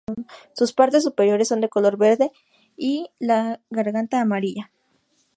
Sus partes superiores son de color verde, y tienen la garganta amarilla.